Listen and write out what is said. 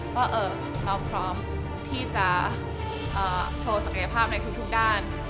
ว่าเราพร้อมที่จะโชว์ศักยภาพในทุกด้าน